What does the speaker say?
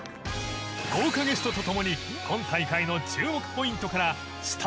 豪華ゲストとともに今大会の注目ポイントからスタメン予想